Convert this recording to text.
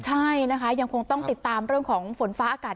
ใช่นะคะยังคงต้องติดตามเรื่องของฝนฟ้าอากาศ